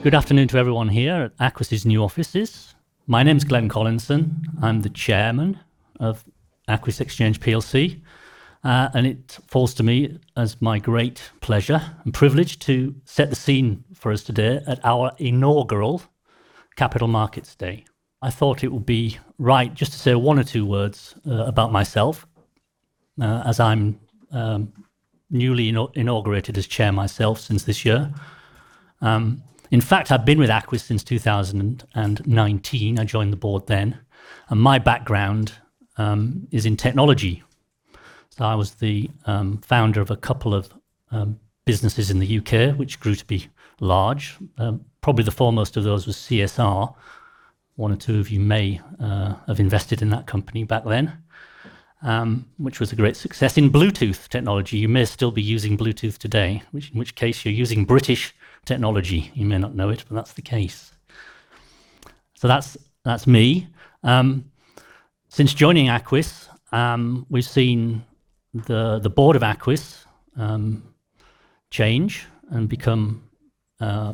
Good afternoon to everyone here at Aquis' new offices. My name's Glenn Collinson. I'm the chairman of Aquis Exchange PLC, and it falls to me as my great pleasure and privilege to set the scene for us today at our inaugural Capital Markets Day. I thought it would be right just to say one or two words about myself, as I'm newly inaugurated as chair myself since this year. In fact, I've been with Aquis since 2019. I joined the board then. My background is in technology. I was the founder of a couple of businesses in the UK, which grew to be large. Probably the foremost of those was CSR. One or two of you may have invested in that company back then, which was a great success in Bluetooth technology. You may still be using Bluetooth today, in which case you're using British technology. You may not know it, but that's the case. That's me. Since joining Aquis, we've seen the board of Aquis change and become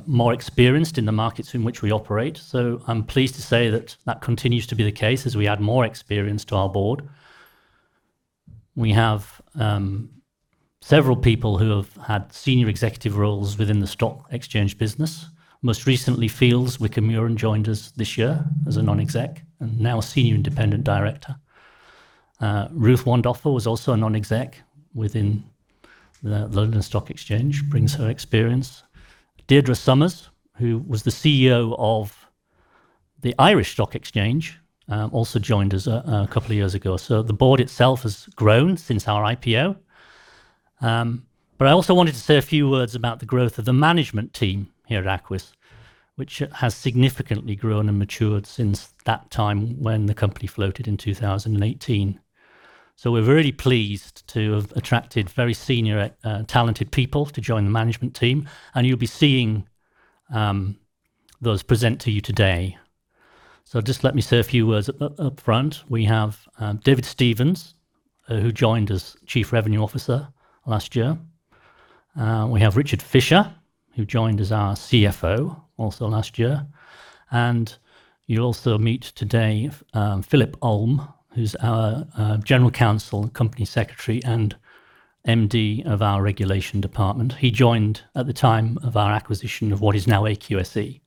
more experienced in the markets in which we operate. I'm pleased to say that continues to be the case as we add more experience to our board. We have several people who have had senior executive roles within the stock exchange business. Most recently, Fields Wicker-Miurin joined us this year as a non-exec, and now a senior independent director. Ruth Wandhöfer was also a non-exec within the London Stock Exchange, brings her experience. Deirdre Somers, who was the CEO of the Irish Stock Exchange, also joined us a couple of years ago. The board itself has grown since our IPO. I also wanted to say a few words about the growth of the management team here at Aquis, which has significantly grown and matured since that time when the company floated in 2018. We're very pleased to have attracted very senior talented people to join the management team, and you'll be seeing those presented to you today. Just let me say a few words up front. We have David Stevens, who joined as Chief Revenue Officer last year. We have Richard Fisher, who joined as our CFO also last year. You'll also meet today Philip Olm, who's our general counsel and company secretary and MD of our regulation department. He joined at the time of our acquisition of what is now AQSE.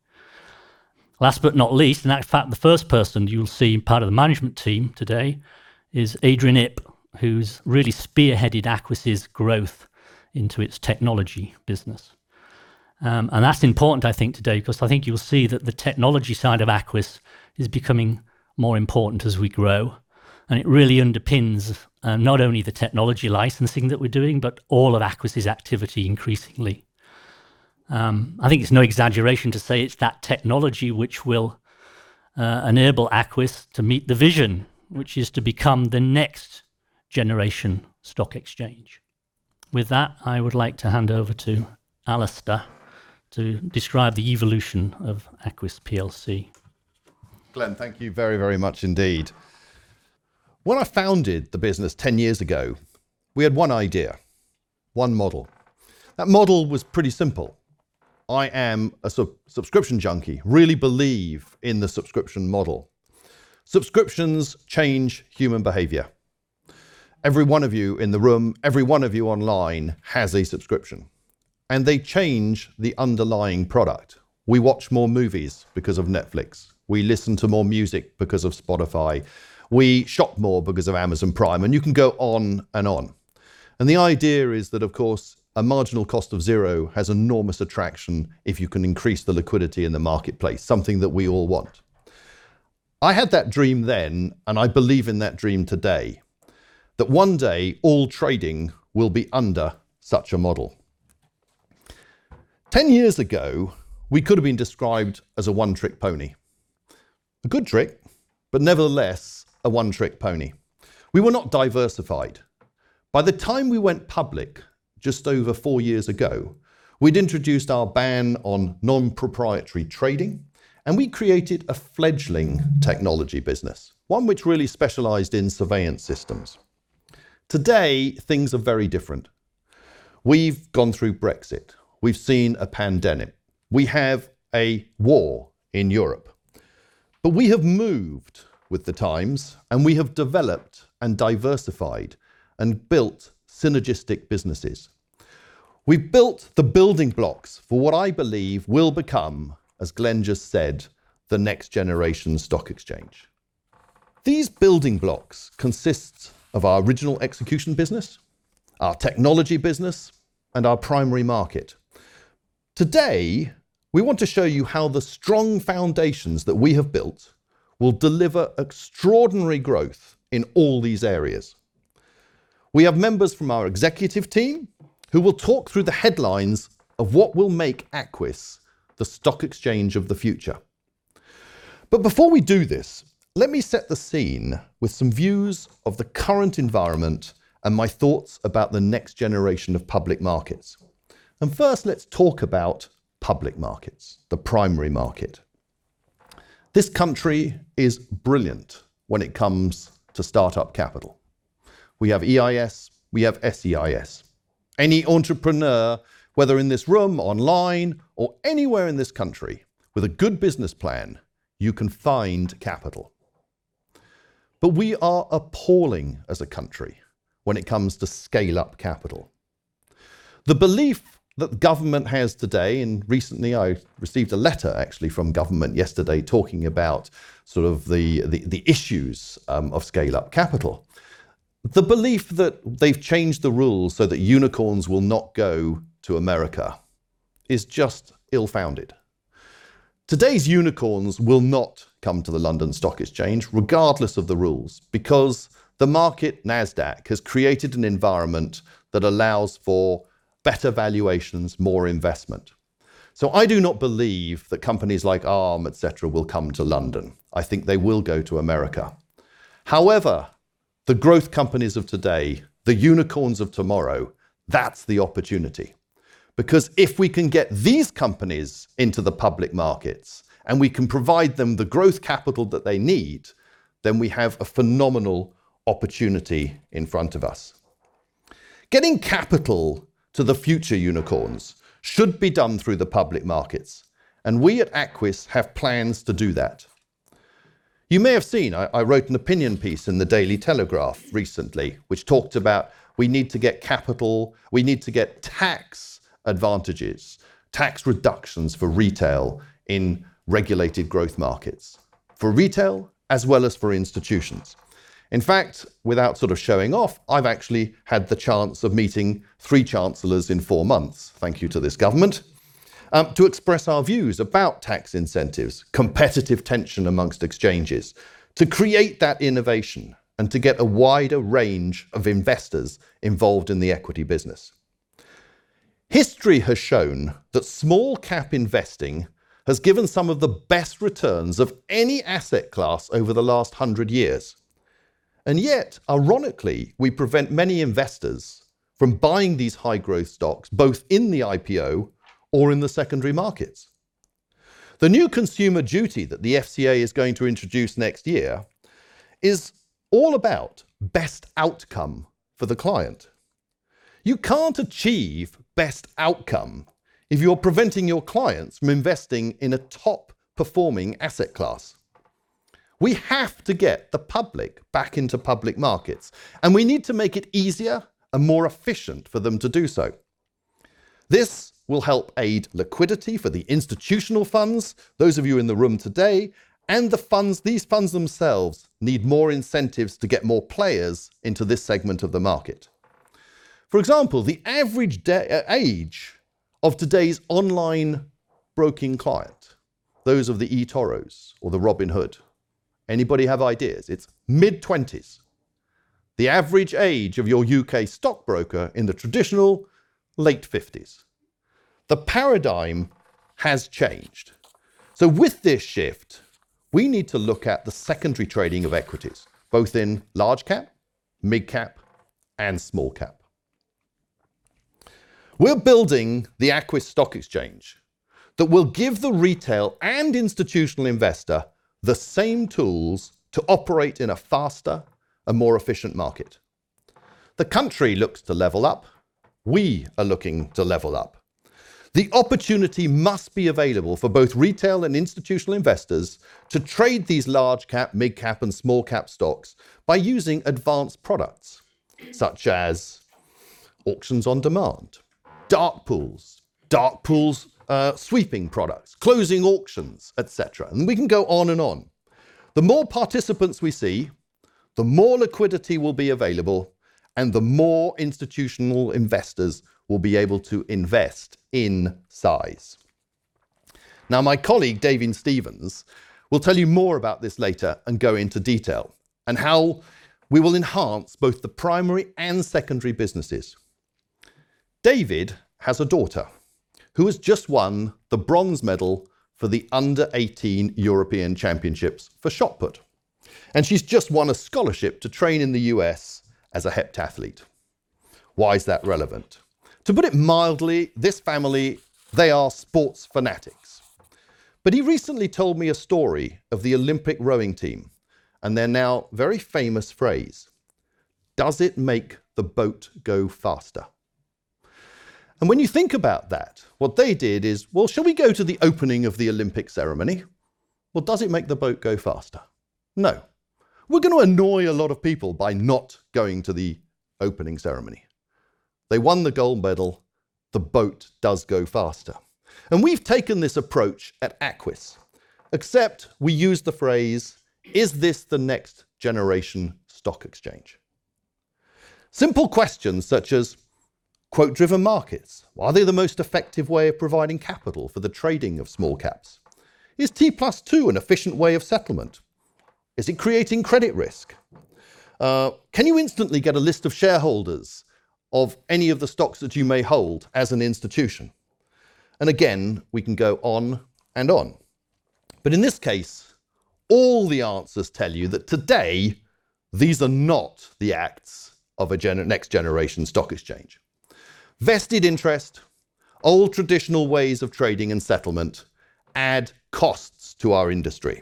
Last but not least, in fact, the first person you'll see part of the management team today is Adrian Ip, who's really spearheaded Aquis' growth into its technology business. That's important, I think, today, because I think you'll see that the technology side of Aquis is becoming more important as we grow, and it really underpins not only the technology licensing that we're doing, but all of Aquis' activity increasingly. I think it's no exaggeration to say it's that technology which will enable Aquis to meet the vision, which is to become the next generation stock exchange. With that, I would like to hand over to Alasdair to describe the evolution of Aquis Exchange PLC. Glenn, thank you very, very much indeed. When I founded the business ten years ago, we had one idea, one model. That model was pretty simple. I am a subscription junkie. Really believe in the subscription model. Subscriptions change human behavior. Every one of you in the room, every one of you online has a subscription, and they change the underlying product. We watch more movies because of Netflix. We listen to more music because of Spotify. We shop more because of Amazon Prime, and you can go on and on. The idea is that, of course, a marginal cost of zero has enormous attraction if you can increase the liquidity in the marketplace, something that we all want. I had that dream then, and I believe in that dream today, that one day all trading will be under such a model. Ten years ago, we could have been described as a one-trick pony. A good trick, but nevertheless a one-trick pony. We were not diversified. By the time we went public just over four years ago, we'd introduced our ban on non-proprietary trading, and we created a fledgling technology business, one which really specialized in surveillance systems. Today, things are very different. We've gone through Brexit. We've seen a pandemic. We have a war in Europe. We have moved with the times, and we have developed and diversified and built synergistic businesses. We've built the building blocks for what I believe will become, as Glenn just said, the next generation stock exchange. These building blocks consist of our original execution business, our technology business, and our primary market. Today, we want to show you how the strong foundations that we have built will deliver extraordinary growth in all these areas. We have members from our executive team who will talk through the headlines of what will make Aquis the stock exchange of the future. Before we do this, let me set the scene with some views of the current environment and my thoughts about the next generation of public markets. First, let's talk about public markets, the primary market. This country is brilliant when it comes to startup capital. We have EIS, we have SEIS. Any entrepreneur, whether in this room, online or anywhere in this country with a good business plan, you can find capital. We are appalling as a country when it comes to scale up capital. The belief that government has today, and recently I received a letter actually from government yesterday talking about sort of the issues of scale-up capital. The belief that they've changed the rules so that unicorns will not go to America is just ill-founded. Today's unicorns will not come to the London Stock Exchange regardless of the rules because the market, Nasdaq, has created an environment that allows for better valuations, more investment. I do not believe that companies like Arm, et cetera, will come to London. I think they will go to America. However, the growth companies of today, the unicorns of tomorrow, that's the opportunity because if we can get these companies into the public markets and we can provide them the growth capital that they need, then we have a phenomenal opportunity in front of us. Getting capital to the future unicorns should be done through the public markets, and we at Aquis have plans to do that. You may have seen I wrote an opinion piece in The Daily Telegraph recently, which talked about we need to get capital, we need to get tax advantages, tax reductions for retail in regulated growth markets. For retail as well as for institutions. In fact, without sort of showing off, I've actually had the chance of meeting 3 chancellors in 4 months, thank you to this government, to express our views about tax incentives, competitive tension amongst exchanges, to create that innovation and to get a wider range of investors involved in the equity business. History has shown that small cap investing has given some of the best returns of any asset class over the last 100 years, and yet ironically, we prevent many investors from buying these high growth stocks both in the IPO or in the secondary markets. The new Consumer Duty that the FCA is going to introduce next year is all about best outcome for the client. You can't achieve best outcome if you're preventing your clients from investing in a top performing asset class. We have to get the public back into public markets, and we need to make it easier and more efficient for them to do so. This will help aid liquidity for the institutional funds, those of you in the room today, and the funds, these funds themselves need more incentives to get more players into this segment of the market. For example, the average age of today's online broking client, those of the eToro's or the Robinhood. Anybody have ideas? It's mid-twenties. The average age of your UK stockbroker in the traditional, late fifties. The paradigm has changed. With this shift, we need to look at the secondary trading of equities, both in large cap, mid cap and small cap. We're building the Aquis Stock Exchange that will give the retail and institutional investor the same tools to operate in a faster and more efficient market. The country looks to level up. We are looking to level up. The opportunity must be available for both retail and institutional investors to trade these large cap, mid cap, and small cap stocks by using advanced products such as auctions on demand, dark pools, sweeping products, closing auctions, et cetera. We can go on and on. The more participants we see, the more liquidity will be available and the more institutional investors will be able to invest in size. Now, my colleague, David Stevens, will tell you more about this later and go into detail on how we will enhance both the primary and secondary businesses. David has a daughter who has just won the bronze medal for the under 18 European Championships for shot put, and she's just won a scholarship to train in the U.S. as a heptathlete. Why is that relevant? To put it mildly, this family, they are sports fanatics. He recently told me a story of the Olympic rowing team, and their now very famous phrase, "Does it make the boat go faster?" When you think about that, what they did is, "Well, shall we go to the opening of the Olympic ceremony?" "Well, does it make the boat go faster?" "No. We're gonna annoy a lot of people by not going to the opening ceremony." They won the gold medal. The boat does go faster. We've taken this approach at Aquis, except we use the phrase, 'Is this the next generation stock exchange?' Simple questions such as quote-driven markets. Are they the most effective way of providing capital for the trading of small caps? Is T+2 an efficient way of settlement? Is it creating credit risk? Can you instantly get a list of shareholders of any of the stocks that you may hold as an institution? Again, we can go on and on. In this case, all the answers tell you that today these are not the acts of a next generation stock exchange. Vested interests. Old traditional ways of trading and settlement add costs to our industry.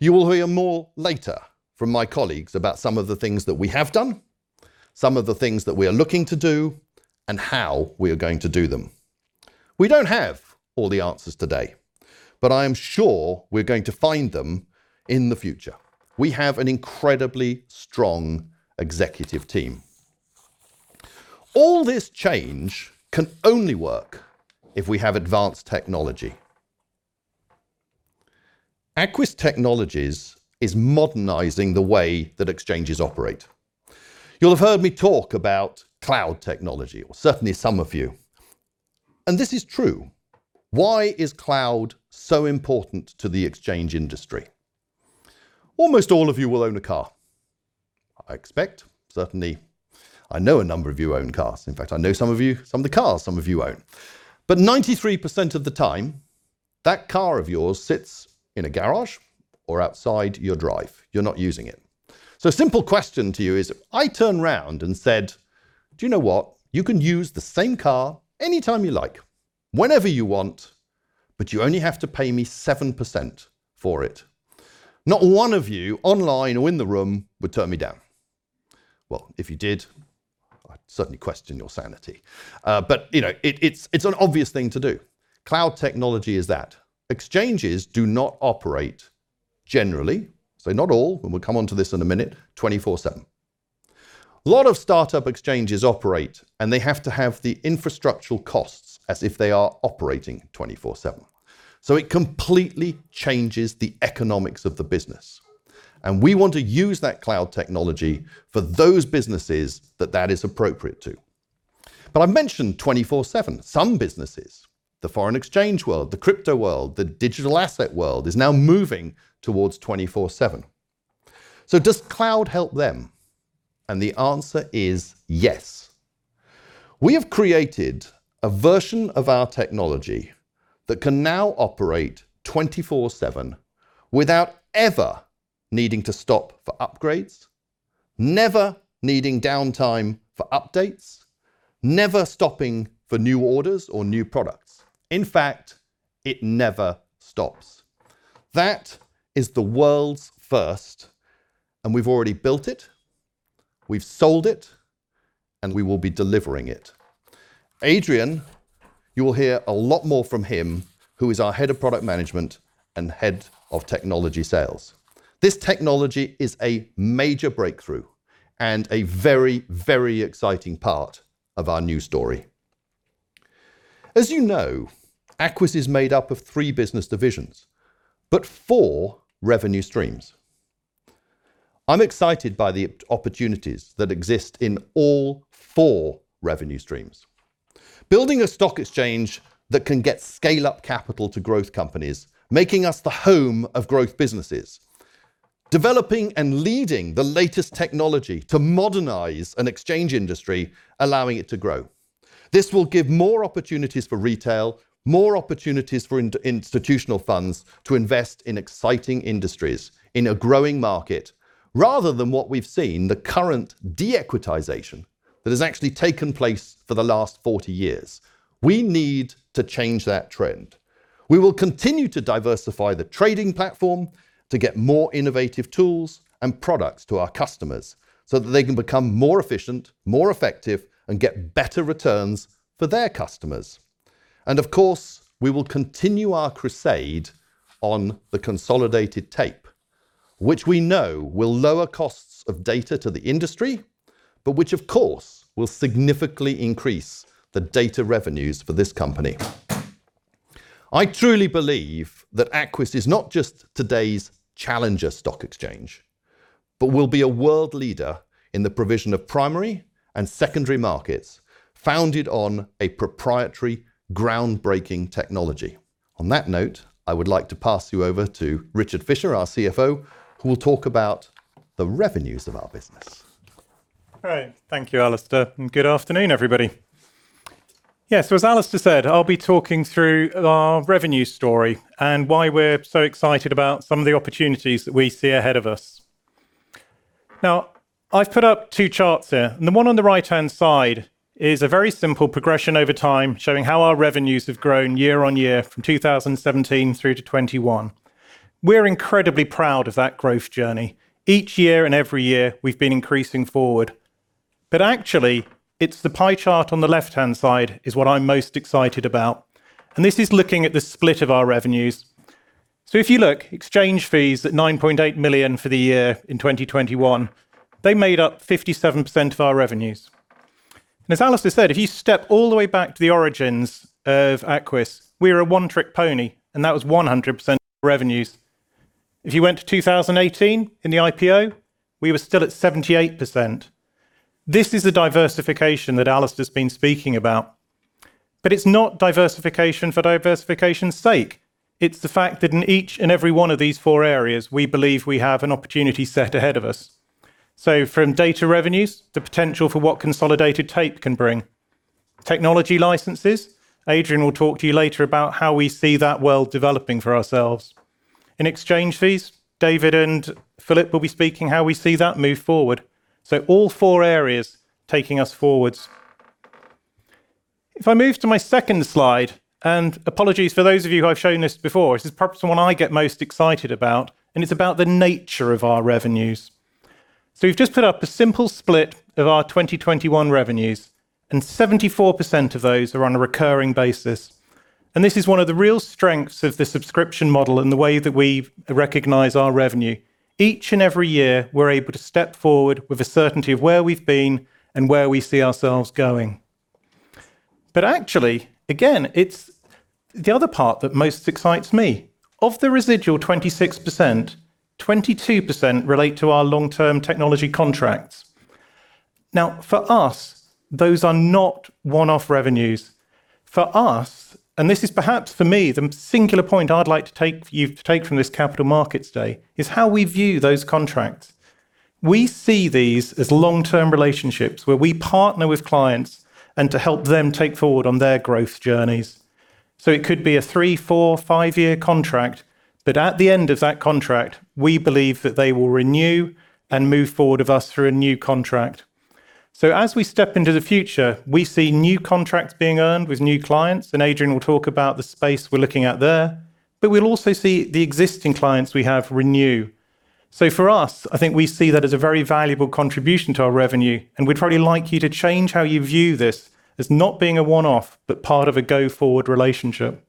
You will hear more later from my colleagues about some of the things that we have done, some of the things that we are looking to do, and how we are going to do them. We don't have all the answers today, but I am sure we're going to find them in the future. We have an incredibly strong executive team. All this change can only work if we have advanced technology. Aquis Technologies is modernizing the way that exchanges operate. You'll have heard me talk about cloud technology, or certainly some of you, and this is true. Why is cloud so important to the exchange industry? Almost all of you will own a car, I expect. Certainly, I know a number of you own cars. In fact, I know some of you, some of the cars some of you own. Ninety-three percent of the time, that car of yours sits in a garage or outside your drive. You're not using it. A simple question to you is, if I turn round and said, "Do you know what? You can use the same car anytime you like, whenever you want, but you only have to pay me 7% for it." Not one of you online or in the room would turn me down. Well, if you did, I'd certainly question your sanity. You know, it's an obvious thing to do. Cloud technology is that. Exchanges do not operate generally, so not all, and we'll come onto this in a minute, 24/7. A lot of startup exchanges operate, and they have to have the infrastructural costs as if they are operating 24/7. It completely changes the economics of the business, and we want to use that cloud technology for those businesses that is appropriate to. I mentioned 24/7. Some businesses, the foreign exchange world, the crypto world, the digital asset world, is now moving towards 24/7. Does cloud help them? The answer is yes. We have created a version of our technology that can now operate 24/7 without ever needing to stop for upgrades, never needing downtime for updates, never stopping for new orders or new products. In fact, it never stops. That is the world's first, and we've already built it, we've sold it, and we will be delivering it. Adrian Ip, you will hear a lot more from him, who is our head of product management and head of technology sales. This technology is a major breakthrough and a very, very exciting part of our new story. As you know, Aquis is made up of three business divisions but four revenue streams. I'm excited by the opportunities that exist in all four revenue streams. Building a stock exchange that can get scale-up capital to growth companies, making us the home of growth businesses, developing and leading the latest technology to modernize an exchange industry, allowing it to grow. This will give more opportunities for retail, more opportunities for institutional funds to invest in exciting industries in a growing market, rather than what we've seen, the current de-equitization that has actually taken place for the last forty years. We need to change that trend. We will continue to diversify the trading platform to get more innovative tools and products to our customers, so that they can become more efficient, more effective, and get better returns for their customers. Of course, we will continue our crusade on the consolidated tape, which we know will lower costs of data to the industry, but which of course will significantly increase the data revenues for this company. I truly believe that Aquis is not just today's challenger stock exchange, but will be a world leader in the provision of primary and secondary markets founded on a proprietary, groundbreaking technology. On that note, I would like to pass you over to Richard Fisher, our CFO, who will talk about the revenues of our business. All right. Thank you, Alasdair, and good afternoon, everybody. Yes, as Alistair said, I'll be talking through our revenue story and why we're so excited about some of the opportunities that we see ahead of us. Now, I've put up two charts here, and the one on the right-hand side is a very simple progression over time, showing how our revenues have grown year on year from 2017 through to 2021. We're incredibly proud of that growth journey. Each year and every year, we've been increasing forward. Actually, it's the pie chart on the left-hand side is what I'm most excited about, and this is looking at the split of our revenues. If you look, exchange fees at 9.8 million for the year in 2021, they made up 57% of our revenues. As Alasdair said, if you step all the way back to the origins of Aquis, we're a one-trick pony, and that was 100% revenues. If you went to 2018 in the IPO, we were still at 78%. This is the diversification that Alasdair's been speaking about. It's not diversification for diversification's sake. It's the fact that in each and every one of these four areas, we believe we have an opportunity set ahead of us. From data revenues, the potential for what consolidated tape can bring. Technology licenses, Adrian will talk to you later about how we see that world developing for ourselves. In exchange fees, David and Philip will be speaking how we see that move forward. All four areas taking us forwards. If I move to my second slide, and apologies for those of you who I've shown this before, this is perhaps the one I get most excited about, and it's about the nature of our revenues. We've just put up a simple split of our 2021 revenues, and 74% of those are on a recurring basis. This is one of the real strengths of the subscription model and the way that we recognize our revenue. Each and every year, we're able to step forward with a certainty of where we've been and where we see ourselves going. Actually, again, it's the other part that most excites me. Of the residual 26%, 22% relate to our long-term technology contracts. Now, for us, those are not one-off revenues. For us, this is perhaps for me the singular point I'd like you to take from this capital markets day, is how we view those contracts. We see these as long-term relationships where we partner with clients and to help them take forward on their growth journeys. It could be a 3, 4, 5-year contract, but at the end of that contract, we believe that they will renew and move forward with us through a new contract. As we step into the future, we see new contracts being earned with new clients, and Adrian will talk about the space we're looking at there, but we'll also see the existing clients we have renew. For us, I think we see that as a very valuable contribution to our revenue, and we'd really like you to change how you view this as not being a one-off, but part of a go-forward relationship.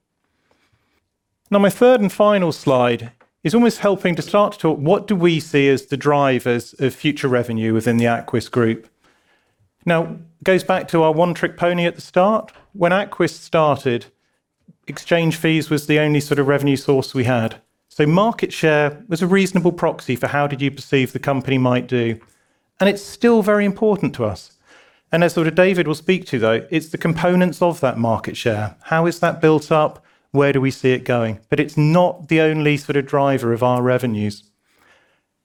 Now, my third and final slide is almost helping to start to talk what do we see as the drivers of future revenue within the Aquis Exchange group. Now, it goes back to our one-trick pony at the start. When Aquis started, exchange fees was the only sort of revenue source we had. Market share was a reasonable proxy for how did you perceive the company might do, and it's still very important to us. As sort of David will speak to, though, it's the components of that market share. How is that built up? Where do we see it going? It's not the only sort of driver of our revenues.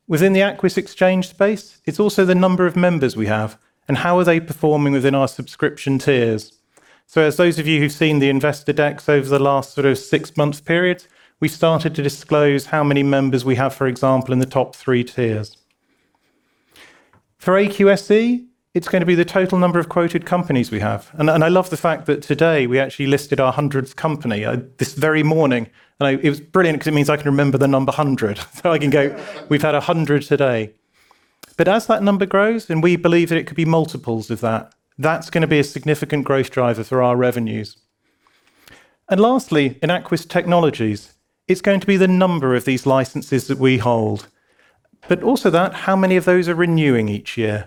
Within the Aquis Exchange space, it's also the number of members we have, and how are they performing within our subscription tiers. As those of you who've seen the investor decks over the last sort of six months period, we started to disclose how many members we have, for example, in the top three tiers. For AQSE, it's gonna be the total number of quoted companies we have. I love the fact that today we actually listed our 100th company, this very morning, and it was brilliant because it means I can remember the number 100. I can go, "We've had 100 today." As that number grows, and we believe that it could be multiples of that's gonna be a significant growth driver for our revenues. Lastly, in Aquis Technologies, it's going to be the number of these licenses that we hold. Also, how many of those are renewing each year.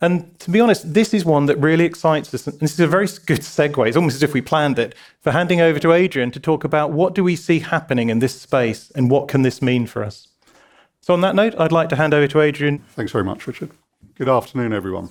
To be honest, this is one that really excites us. This is a very good segue, it's almost as if we planned it, for handing over to Adrian to talk about what do we see happening in this space and what can this mean for us. On that note, I'd like to hand over to Adrian. Thanks very much, Richard. Good afternoon, everyone.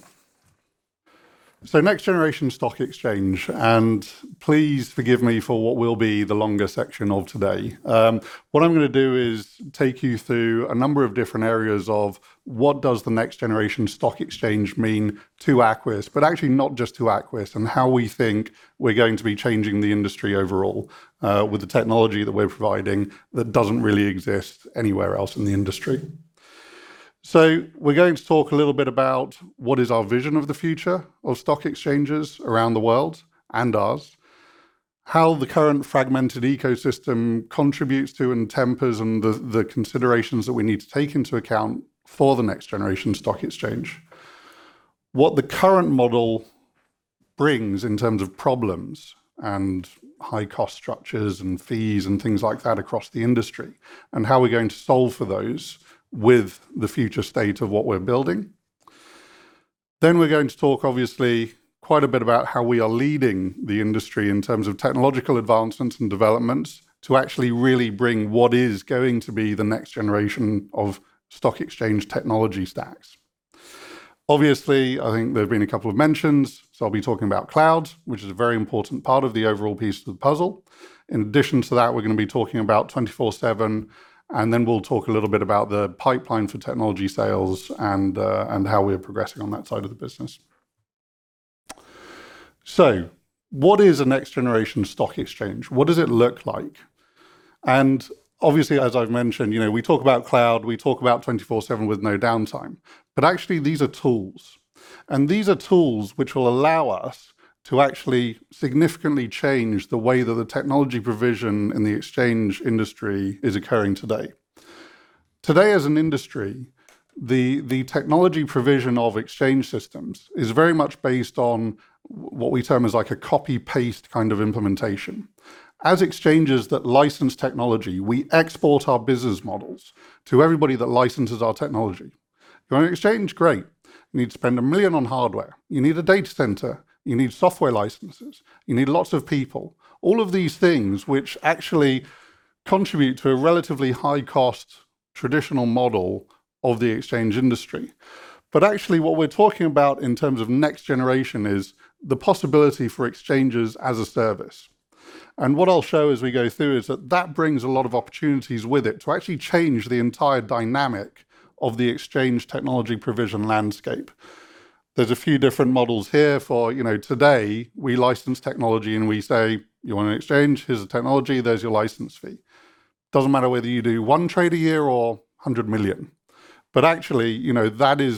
Next generation stock exchange, and please forgive me for what will be the longer section of today. What I'm gonna do is take you through a number of different areas of what does the next generation stock exchange mean to Aquis, but actually not just to Aquis, and how we think we're going to be changing the industry overall, with the technology that we're providing that doesn't really exist anywhere else in the industry. We're going to talk a little bit about what is our vision of the future of stock exchanges around the world and ours, how the current fragmented ecosystem contributes to and tempers the considerations that we need to take into account for the next generation stock exchange, what the current model brings in terms of problems and high cost structures and fees and things like that across the industry, and how we're going to solve for those with the future state of what we're building. We're going to talk obviously quite a bit about how we are leading the industry in terms of technological advancements and developments to actually really bring what is going to be the next generation of stock exchange technology stacks. Obviously, I think there have been a couple of mentions, so I'll be talking about cloud, which is a very important part of the overall piece of the puzzle. In addition to that, we're gonna be talking about 24/7, and then we'll talk a little bit about the pipeline for technology sales and how we're progressing on that side of the business. What is a next generation stock exchange? What does it look like? Obviously, as I've mentioned, you know, we talk about cloud, we talk about 24/7 with no downtime, but actually these are tools. These are tools which will allow us to actually significantly change the way that the technology provision in the exchange industry is occurring today. Today as an industry, the technology provision of exchange systems is very much based on what we term as like a copy-paste kind of implementation. As exchanges that license technology, we export our business models to everybody that licenses our technology. You want an exchange? Great. You need to spend 1 million on hardware. You need a data center. You need software licenses. You need lots of people. All of these things which actually contribute to a relatively high cost traditional model of the exchange industry. Actually what we're talking about in terms of next generation is the possibility for Exchange as a Service. What I'll show as we go through is that that brings a lot of opportunities with it to actually change the entire dynamic of the exchange technology provision landscape. There's a few different models here for, you know, today we license technology and we say, "You want to exchange? Here's the technology, there's your license fee." Doesn't matter whether you do one trade a year or 100 million. Actually, you know, that is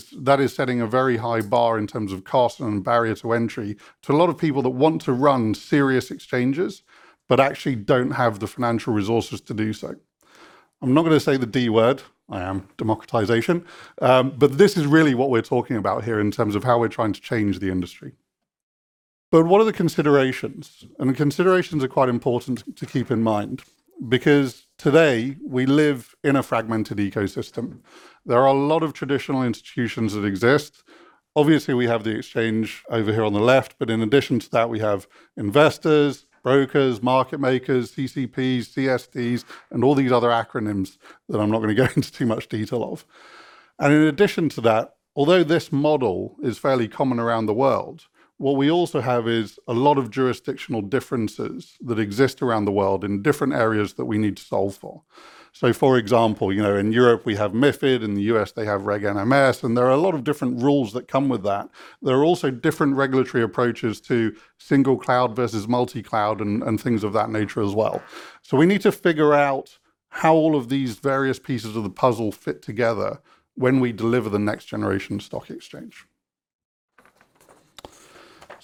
setting a very high bar in terms of cost and barrier to entry to a lot of people that want to run serious exchanges but actually don't have the financial resources to do so. I'm not gonna say the D word. I am. Democratization. This is really what we're talking about here in terms of how we're trying to change the industry. What are the considerations? The considerations are quite important to keep in mind because today we live in a fragmented ecosystem. There are a lot of traditional institutions that exist. Obviously, we have the exchange over here on the left, but in addition to that, we have investors, brokers, market makers, CCPs, CSDs, and all these other acronyms that I'm not gonna go into too much detail of. In addition to that, although this model is fairly common around the world, what we also have is a lot of jurisdictional differences that exist around the world in different areas that we need to solve for. For example, you know, in Europe we have MiFID, in the U.S. they have Reg NMS, and there are a lot of different rules that come with that. There are also different regulatory approaches to single cloud versus multi-cloud and things of that nature as well. We need to figure out how all of these various pieces of the puzzle fit together when we deliver the next generation stock exchange.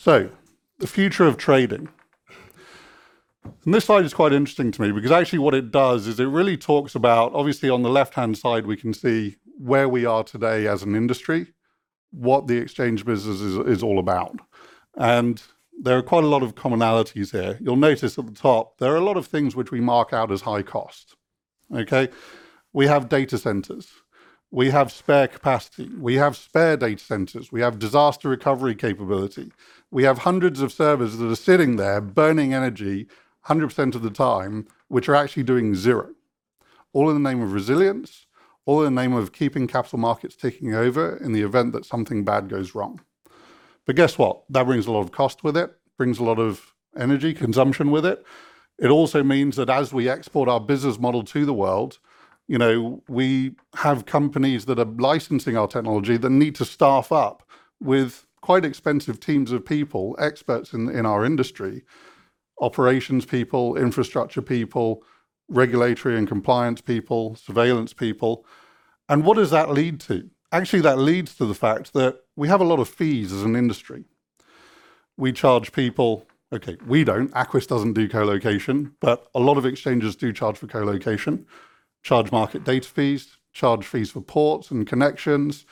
The future of trading. This slide is quite interesting to me because actually what it does is it really talks about, obviously on the left-hand side, we can see where we are today as an industry, what the exchange business is all about. There are quite a lot of commonalities here. You'll notice at the top, there are a lot of things which we mark out as high cost, okay? We have data centers, we have spare capacity, we have spare data centers, we have disaster recovery capability. We have hundreds of servers that are sitting there burning energy 100% of the time, which are actually doing zero, all in the name of resilience, all in the name of keeping capital markets ticking over in the event that something bad goes wrong. Guess what? That brings a lot of cost with it, brings a lot of energy consumption with it. It also means that as we export our business model to the world, you know, we have companies that are licensing our technology that need to staff up with quite expensive teams of people, experts in our industry, operations people, infrastructure people, regulatory and compliance people, surveillance people. What does that lead to? Actually, that leads to the fact that we have a lot of fees as an industry. We charge people. Okay, we don't. Aquis doesn't do colocation. A lot of exchanges do charge for colocation, charge market data fees, charge fees for ports and connections.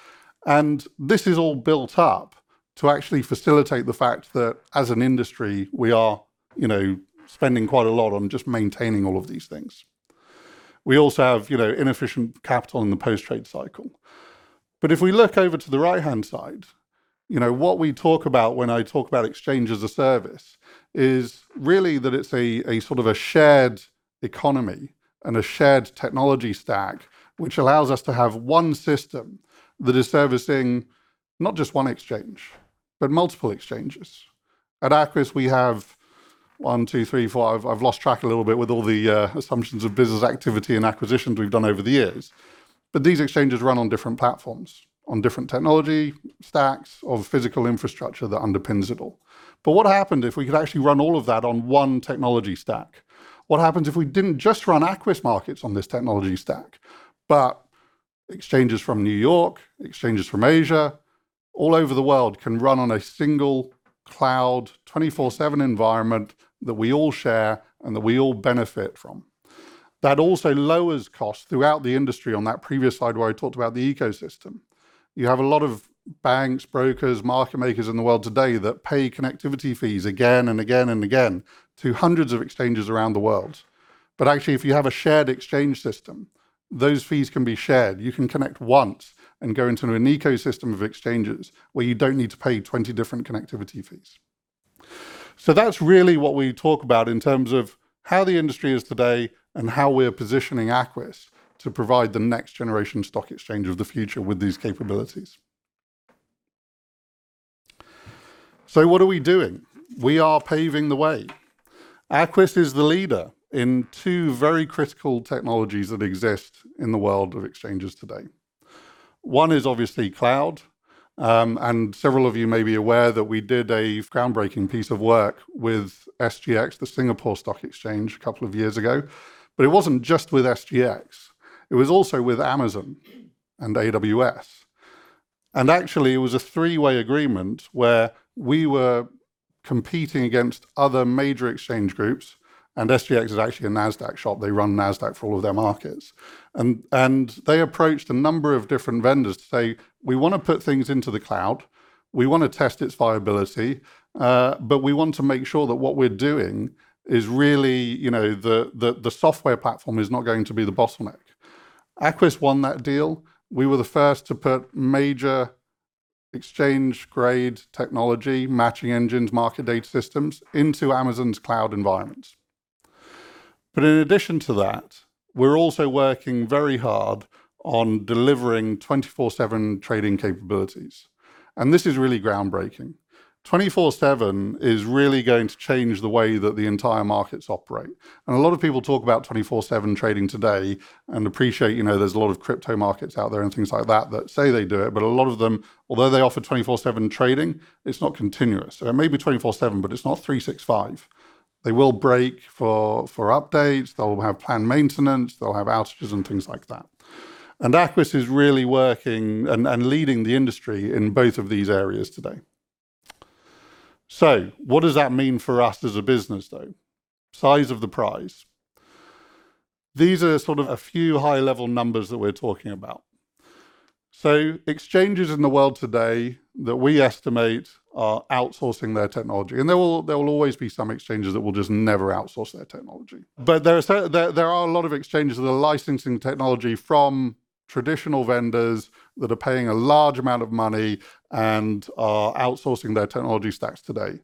This is all built up to actually facilitate the fact that, as an industry, we are, you know, spending quite a lot on just maintaining all of these things. We also have, you know, inefficient capital in the post-trade cycle. If we look over to the right-hand side, you know, what we talk about when I talk about Exchange as a Service is really that it's a sort of a shared economy and a shared technology stack, which allows us to have one system that is servicing not just one exchange, but multiple exchanges. At Aquis, we have 1, 2, 3, 4. I've lost track a little bit with all the assumptions of business activity and acquisitions we've done over the years. These exchanges run on different platforms, on different technology stacks of physical infrastructure that underpins it all. What happened if we could actually run all of that on one technology stack? What happens if we didn't just run Aquis markets on this technology stack, but exchanges from New York, exchanges from Asia, all over the world can run on a single cloud 24/7 environment that we all share and that we all benefit from. That also lowers costs throughout the industry on that previous slide where I talked about the ecosystem. You have a lot of banks, brokers, market makers in the world today that pay connectivity fees again and again and again to hundreds of exchanges around the world. Actually, if you have a shared exchange system, those fees can be shared. You can connect once and go into an ecosystem of exchanges where you don't need to pay 20 different connectivity fees. That's really what we talk about in terms of how the industry is today and how we're positioning Aquis to provide the next generation stock exchange of the future with these capabilities. What are we doing? We are paving the way. Aquis is the leader in two very critical technologies that exist in the world of exchanges today. One is obviously cloud, and several of you may be aware that we did a groundbreaking piece of work with SGX, the Singapore Exchange, a couple of years ago. It wasn't just with SGX, it was also with Amazon and AWS. Actually, it was a 3-way agreement where we were competing against other major exchange groups, and SGX is actually a Nasdaq shop. They run Nasdaq for all of their markets. They approached a number of different vendors to say, "We wanna put things into the cloud. We wanna test its viability, but we want to make sure that what we're doing is really the software platform is not going to be the bottleneck." Aquis won that deal. We were the first to put major exchange grade technology, matching engines, market data systems into Amazon's cloud environments. In addition to that, we're also working very hard on delivering 24/7 trading capabilities, and this is really groundbreaking. 24/7 is really going to change the way that the entire markets operate. A lot of people talk about 24/7 trading today and appreciate, you know, there's a lot of crypto markets out there and things like that that say they do it, but a lot of them, although they offer 24/7 trading, it's not continuous. It may be 24/7, but it's not 365. They will break for updates, they'll have planned maintenance, they'll have outages and things like that. Aquis is really working and leading the industry in both of these areas today. What does that mean for us as a business, though? Size of the prize. These are sort of a few high-level numbers that we're talking about. Exchanges in the world today that we estimate are outsourcing their technology, and there will always be some exchanges that will just never outsource their technology. There are a lot of exchanges that are licensing technology from traditional vendors that are paying a large amount of money and are outsourcing their technology stacks today.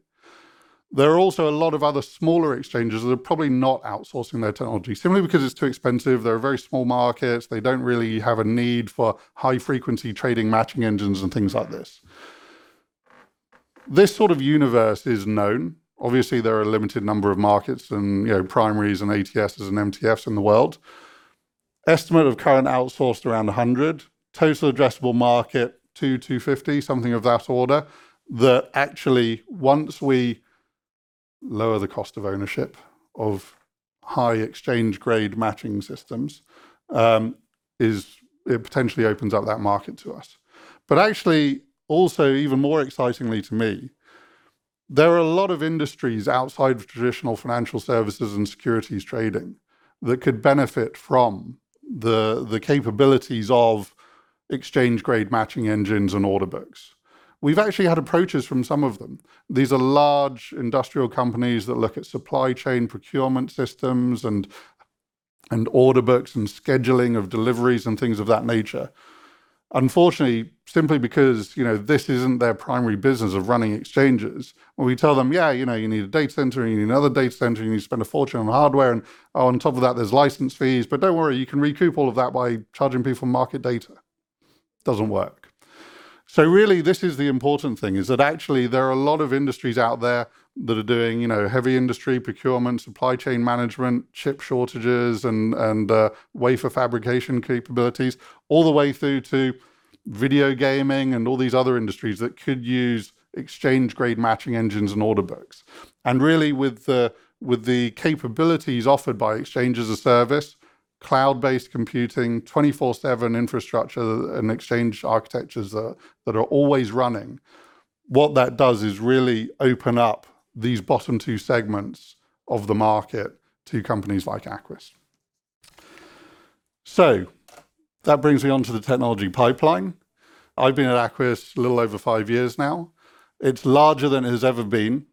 There are also a lot of other smaller exchanges that are probably not outsourcing their technology simply because it's too expensive. They're very small markets. They don't really have a need for high-frequency trading matching engines and things like this. This sort of universe is known. Obviously, there are a limited number of markets and, you know, primaries and ATSs and MTFs in the world. Estimate of current outsourced around 100. Total addressable market, 200-250, something of that order, that actually once we lower the cost of ownership of high exchange grade matching systems, it potentially opens up that market to us. Actually, also, even more excitingly to me, there are a lot of industries outside of traditional financial services and securities trading that could benefit from the capabilities of exchange grade matching engines and order books. We've actually had approaches from some of them. These are large industrial companies that look at supply chain procurement systems and order books and scheduling of deliveries and things of that nature. Unfortunately, simply because, you know, this isn't their primary business of running exchanges, when we tell them, "Yeah, you know, you need a data center, you need another data center, you need to spend a fortune on hardware, and on top of that there's license fees. But don't worry, you can recoup all of that by charging people market data." Doesn't work. Really, this is the important thing, is that actually there are a lot of industries out there that are doing, you know, heavy industry procurement, supply chain management, chip shortages and wafer fabrication capabilities, all the way through to video gaming and all these other industries that could use exchange grade matching engines and order books. Really with the capabilities offered by Exchange as a Service, cloud-based computing, 24/7 infrastructure and exchange architectures that are always running, what that does is really open up these bottom 2 segments of the market to companies like Aquis. That brings me onto the technology pipeline. I've been at Aquis a little over 5 years now. It's larger than it has ever been,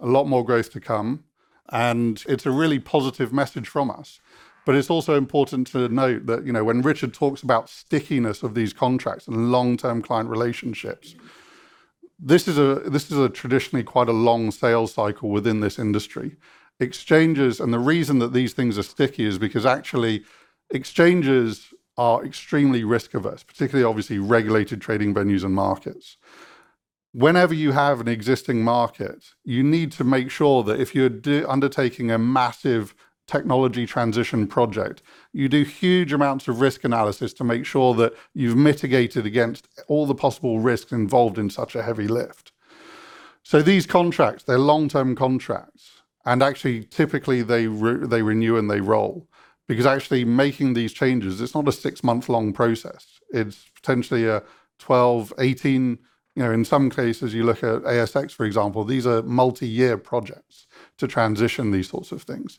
a lot more growth to come, and it's a really positive message from us. It's also important to note that, you know, when Richard talks about stickiness of these contracts and long-term client relationships, this is a traditionally quite a long sales cycle within this industry. Exchanges, the reason that these things are sticky is because actually exchanges are extremely risk-averse, particularly obviously regulated trading venues and markets. Whenever you have an existing market, you need to make sure that if you're undertaking a massive technology transition project, you do huge amounts of risk analysis to make sure that you've mitigated against all the possible risks involved in such a heavy lift. These contracts, they're long-term contracts, and actually typically they renew and they roll, because actually making these changes, it's not a six-month-long process. It's potentially a 12, 18, you know, in some cases, you look at ASX, for example, these are multi-year projects to transition these sorts of things.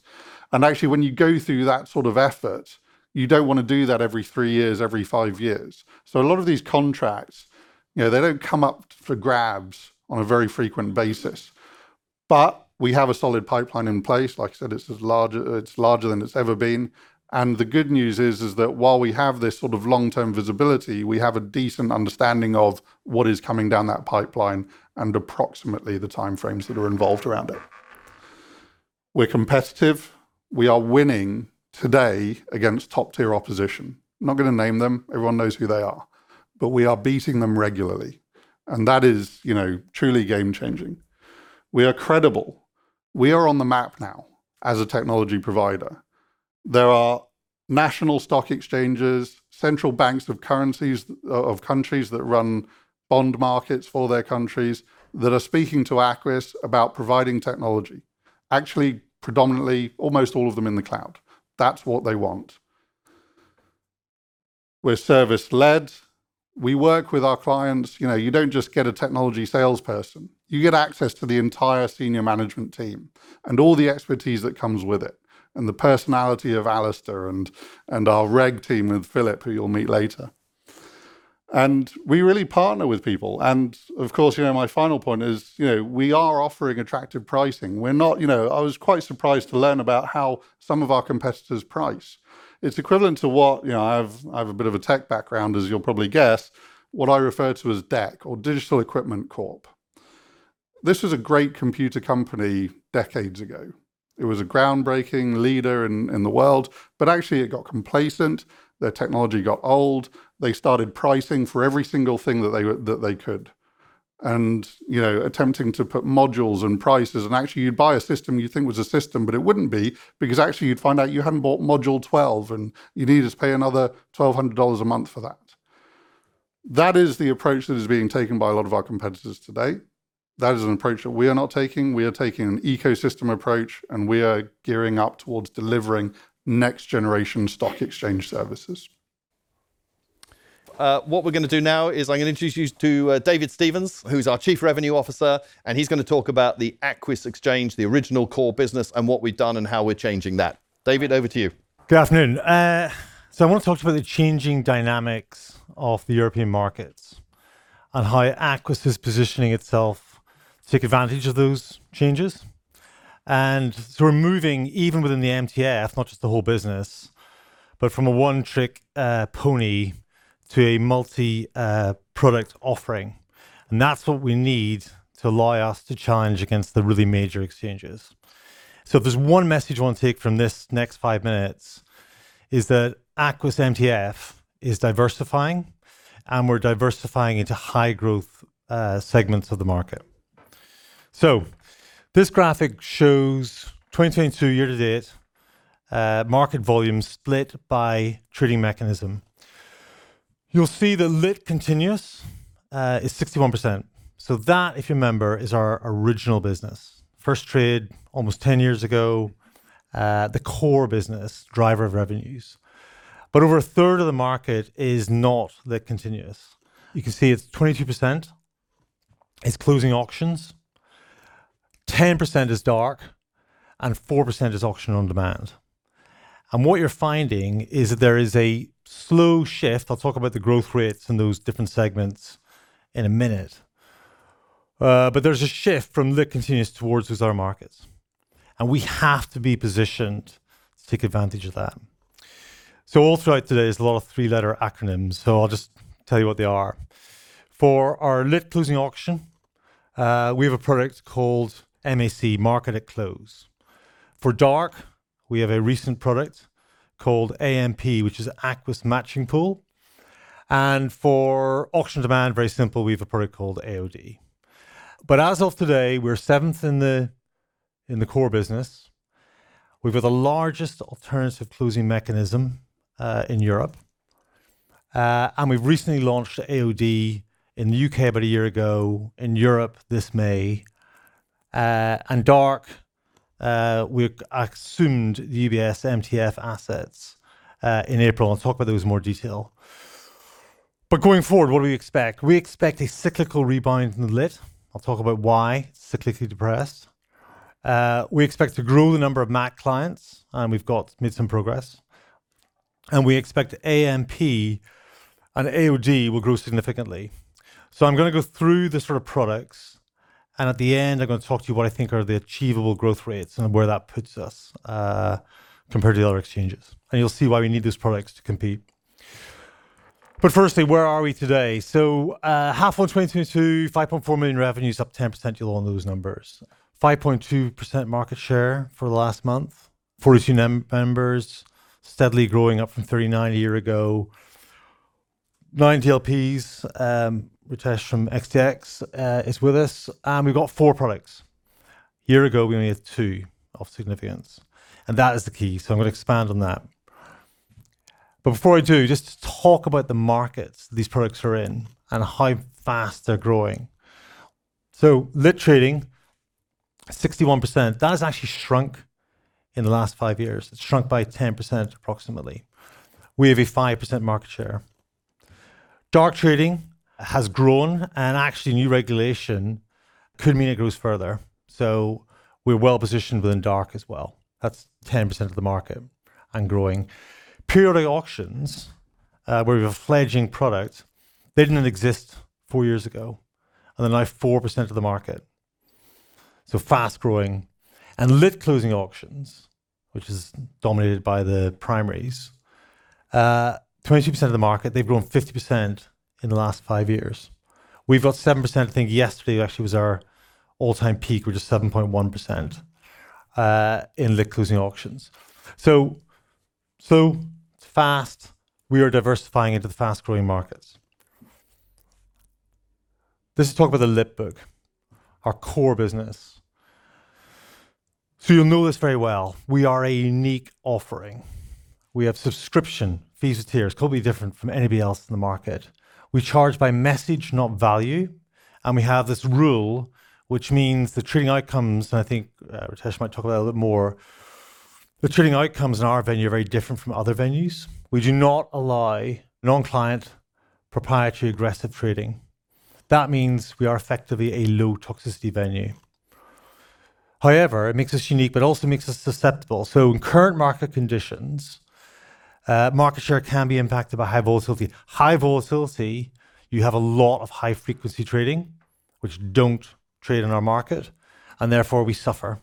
Actually when you go through that sort of effort, you don't wanna do that every 3 years, every 5 years. A lot of these contracts, you know, they don't come up for grabs on a very frequent basis. We have a solid pipeline in place. Like I said, it's as large, it's larger than it's ever been. The good news is that while we have this sort of long-term visibility, we have a decent understanding of what is coming down that pipeline and approximately the time frames that are involved around it. We're competitive. We are winning today against top-tier opposition. Not gonna name them. Everyone knows who they are. We are beating them regularly, and that is, you know, truly game changing. We are credible. We are on the map now as a technology provider. There are national stock exchanges, central banks of currencies of countries that run bond markets for their countries that are speaking to Aquis about providing technology. Actually, predominantly, almost all of them in the cloud. That's what they want. We're service-led. We work with our clients. You know, you don't just get a technology salesperson. You get access to the entire senior management team and all the expertise that comes with it, and the personality of Alasdair and our reg team with Philip, who you'll meet later. We really partner with people. Of course, you know, my final point is, you know, we are offering attractive pricing. We're not, you know... I was quite surprised to learn about how some of our competitors price. It's equivalent to what, you know, I have a bit of a tech background, as you'll probably guess, what I refer to as DEC or Digital Equipment Corporation. This was a great computer company decades ago. It was a groundbreaking leader in the world, but actually it got complacent, their technology got old, they started pricing for every single thing that they could, and, you know, attempting to put modules and prices. Actually, you'd buy a system you think was a system, but it wouldn't be, because actually you'd find out you hadn't bought module 12, and you need to pay another $1,200 a month for that. That is the approach that is being taken by a lot of our competitors today. That is an approach that we are not taking. We are taking an ecosystem approach, and we are gearing up towards delivering next generation stock exchange services. What we're gonna do now is I'm gonna introduce you to David Stevens, who's our Chief Revenue Officer, and he's gonna talk about the Aquis Exchange, the original core business, and what we've done and how we're changing that. David, over to you. Good afternoon. I want to talk to you about the changing dynamics of the European markets and how Aquis is positioning itself to take advantage of those changes. We're moving even within the MTF, not just the whole business, but from a one-trick pony to a multi product offering. That's what we need to allow us to challenge against the really major exchanges. If there's one message you want to take from this next five minutes is that Aquis MTF is diversifying, and we're diversifying into high growth segments of the market. This graphic shows 2022 year to date market volumes split by trading mechanism. You'll see the lit continuous is 61%. That, if you remember, is our original business. First trade almost 10 years ago, the core business, driver of revenues. Over a third of the market is not lit continuous. You can see it's 22% closing auctions, 10% dark, and 4% auction on demand. What you're finding is that there is a slow shift. I'll talk about the growth rates in those different segments in a minute. There's a shift from lit continuous towards those other markets, and we have to be positioned to take advantage of that. All throughout today is a lot of three-letter acronyms, so I'll just tell you what they are. For our lit closing auction, we have a product called MaC, Market at Close. For dark, we have a recent product called AMP, which is Aquis Matching Pool. For auction on demand, very simple, we have a product called AoD. As of today, we're seventh in the core business. We've got the largest alternative closing mechanism in Europe. We've recently launched AoD in the UK about a year ago, in Europe this May. We assumed UBS MTF assets in April. I'll talk about those in more detail. Going forward, what do we expect? We expect a cyclical rebound in the lit. I'll talk about why cyclically depressed. We expect to grow the number of MaC clients, and we've got made some progress. We expect AMP and AoD will grow significantly. I'm gonna go through the sort of products, and at the end, I'm gonna talk to you what I think are the achievable growth rates and where that puts us compared to the other exchanges. You'll see why we need these products to compete. Firstly, where are we today? H1 2022, 5.4 million revenues, up 10% year-on-year on those numbers. 5.2% market share for the last month. 400 members, steadily growing up from 39 a year ago. 9 TLPs, Rakesh from XTX is with us. We've got four products. A year ago, we only had two of significance, and that is the key. I'm gonna expand on that. Before I do, just to talk about the markets these products are in and how fast they're growing. Lit trading, 61%. That has actually shrunk in the last 5 years. It's shrunk by 10%, approximately. We have a 5% market share. Dark trading has grown and actually new regulation could mean it grows further. We're well positioned within dark as well. That's 10% of the market and growing. Periodic auctions, we have a fledgling product. They didn't exist four years ago, and they're now 4% of the market. Fast-growing. Lit closing auctions, which is dominated by the primaries, 22% of the market. They've grown 50% in the last five years. We've got 7%. I think yesterday actually was our all-time peak. We're just 7.1% in lit closing auctions. It's fast. We are diversifying into the fast-growing markets. Let's talk about the lit book, our core business. You'll know this very well. We are a unique offering. We have subscription fees and tiers, totally different from anybody else in the market. We charge by message, not value. We have this rule which means the trading outcomes, and I think Ritesh might talk about it a little more, the trading outcomes in our venue are very different from other venues. We do not allow non-client proprietary aggressive trading. That means we are effectively a low toxicity venue. However, it makes us unique, but also makes us susceptible. In current market conditions, market share can be impacted by high volatility. High volatility, you have a lot of high frequency trading, which don't trade in our market, and therefore we suffer.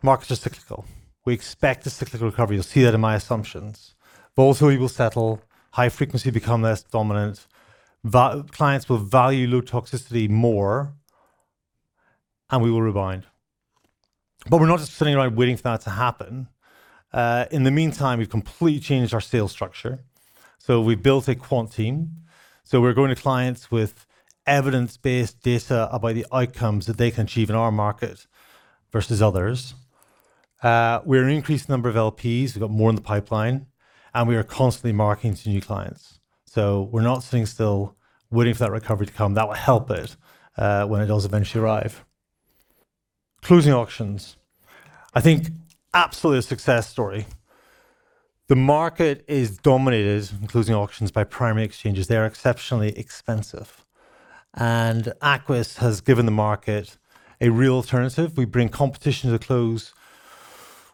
Markets are cyclical. We expect a cyclical recovery. You'll see that in my assumptions. Volatility will settle, high frequency become less dominant, clients will value low toxicity more, and we will rebound. We're not just sitting around waiting for that to happen. In the meantime, we've completely changed our sales structure. We built a quant team, we're going to clients with evidence-based data about the outcomes that they can achieve in our market versus others. We have an increased number of LPs. We've got more in the pipeline, and we are constantly marketing to new clients. We're not sitting still waiting for that recovery to come. That will help it when it does eventually arrive. Closing auctions, I think absolutely a success story. The market is dominated in closing auctions by primary exchanges. They're exceptionally expensive, and Aquis has given the market a real alternative. We bring competition to the close.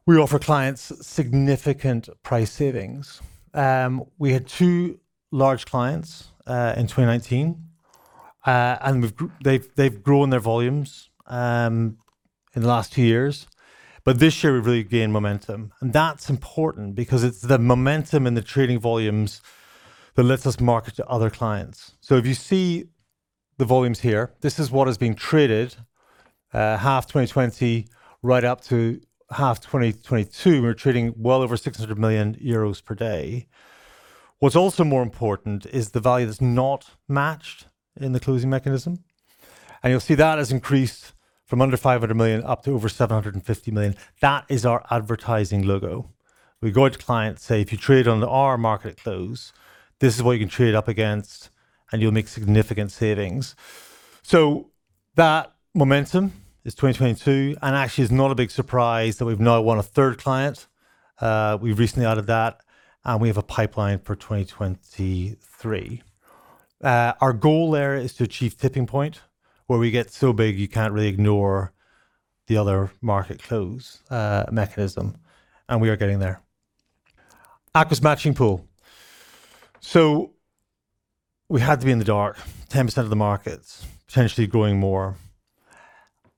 We offer clients significant price savings. We had 2 large clients in 2019, and they've grown their volumes in the last 2 years. This year, we've really gained momentum, and that's important because it's the momentum and the trading volumes that lets us market to other clients. If you see the volumes here, this is what is being traded, half 2020 right up to half 2022. We're trading well over 600 million euros per day. What's also more important is the value that's not matched in the closing mechanism, and you'll see that has increased from under 500 million up to over 750 million. That is our advertising logo. We go to clients, say, "If you trade on our market at close, this is what you can trade up against, and you'll make significant savings." That momentum is 2022 and actually is not a big surprise that we've now won a third client. We've recently added that, and we have a pipeline for 2023. Our goal there is to achieve tipping point, where we get so big you can't really ignore the other market close mechanism, and we are getting there. Aquis Matching Pool. We had to be in the dark, 10% of the markets, potentially growing more.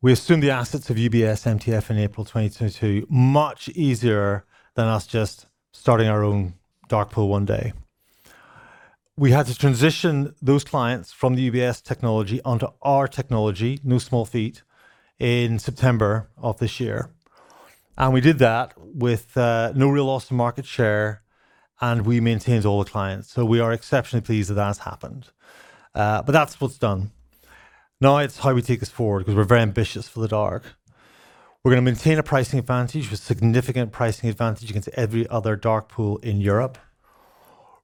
We assumed the assets of UBS MTF in April 2022, much easier than us just starting our own dark pool one day. We had to transition those clients from the UBS technology onto our technology, no small feat, in September of this year, and we did that with no real loss of market share, and we maintained all the clients. We are exceptionally pleased that that has happened. That's what's done. Now it's how we take this forward, because we're very ambitious for the dark. We're gonna maintain a pricing advantage with significant pricing advantage against every other dark pool in Europe.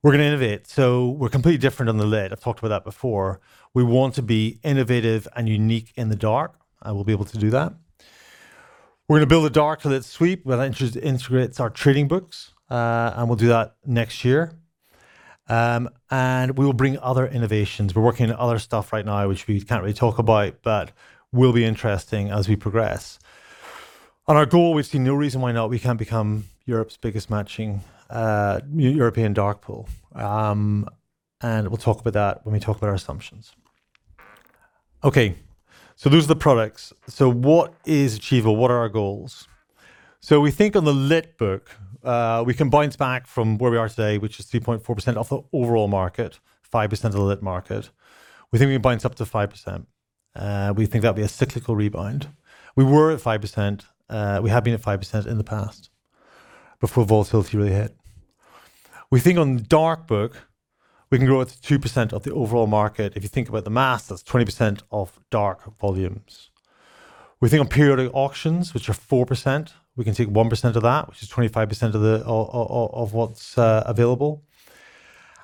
We're gonna innovate, so we're completely different on the lit. I've talked about that before. We want to be innovative and unique in the dark, and we'll be able to do that. We're gonna build a Dark Lit Sweep that integrates our trading books, and we'll do that next year. And we will bring other innovations. We're working on other stuff right now, which we can't really talk about, but will be interesting as we progress. On our goal, we see no reason why not we can't become Europe's biggest matching European dark pool. And we'll talk about that when we talk about our assumptions. Okay, those are the products. What is achievable? What are our goals? We think on the lit book, we can bounce back from where we are today, which is 3.4% of the overall market, 5% of the lit market. We think we can bounce up to 5%. We think that'll be a cyclical rebound. We were at 5%. We have been at 5% in the past before volatility really hit. We think on the dark book, we can grow to 2% of the overall market. If you think about the math, that's 20% of dark volumes. We think on periodic auctions, which are 4%, we can take 1% of that, which is 25% of what's available.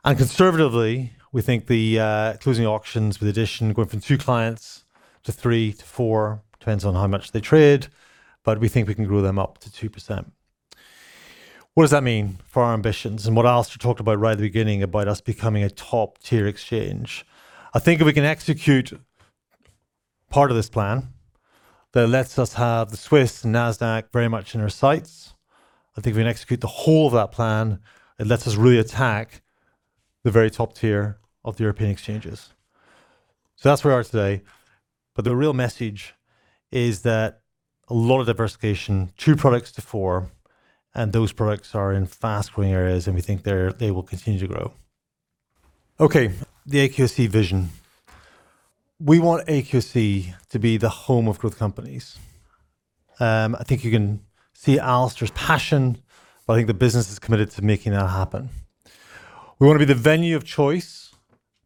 Conservatively, we think the closing auctions with addition going from 2 clients to 3 to 4, depends on how much they trade, but we think we can grow them up to 2%. What does that mean for our ambitions and what Alasdair talked about right at the beginning about us becoming a top-tier exchange? I think if we can execute part of this plan, that lets us have the Swiss and Nasdaq very much in our sights. I think if we can execute the whole of that plan, it lets us really attack the very top tier of the European exchanges. That's where we are today, but the real message is that a lot of diversification, 2 products to 4, and those products are in fast-growing areas, and we think they will continue to grow. Okay, the Aquis vision. We want AQSE to be the home of growth companies. I think you can see Alasdair's passion, but I think the business is committed to making that happen. We wanna be the venue of choice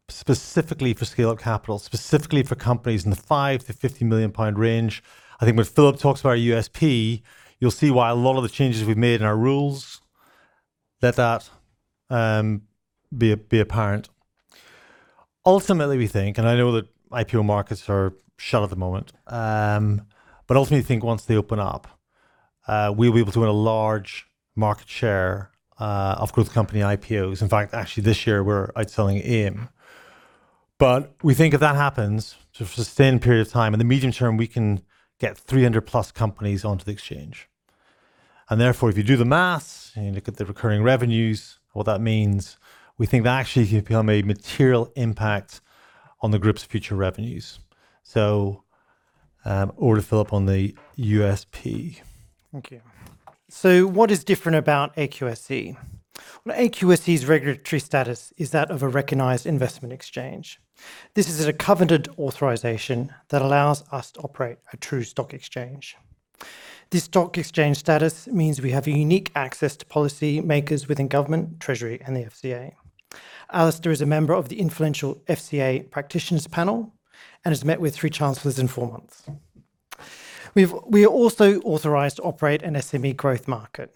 specifically for scale-up capital, specifically for companies in the 5-50 million pound range. I think when Philip talks about our USP, you'll see why a lot of the changes we've made in our rules let that be apparent. Ultimately, we think, and I know that IPO markets are shut at the moment, but ultimately think once they open up, we'll be able to win a large market share of growth company IPOs. In fact, actually this year we're outselling AIM. We think if that happens for a sustained period of time, in the medium term we can get 300+ companies onto the exchange. Therefore, if you do the math and you look at the recurring revenues, what that means, we think that actually could become a material impact on the group's future revenues. Over to Philip on the USP. Thank you. What is different about Aquis? Well, Aquis's regulatory status is that of a recognized investment exchange. This is a coveted authorization that allows us to operate a true stock exchange. This stock exchange status means we have a unique access to policymakers within government, treasury, and the FCA. Alistair is a member of the influential FCA Practitioner Panel and has met with three chancellors in four months. We are also authorized to operate an SME growth market,